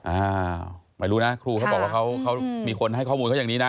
อ่าไม่รู้นะครูเขาบอกว่าเขามีคนให้ข้อมูลเขาอย่างนี้นะ